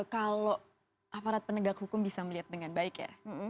kalau aparat penegak hukum bisa melihat dengan baik ya